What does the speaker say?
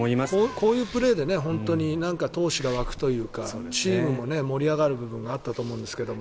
こういうプレーで闘志が湧くというかチームも盛り上がる部分があったと思うんですが。